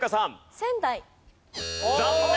残念！